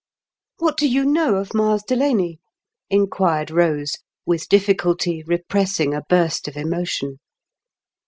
" What do you know of Miles Delaney ?" inquired Kose, with difficulty repressing a burst of emotion.